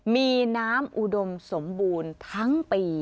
มีน้ำอุดมสมบูรณ์ทั้งปี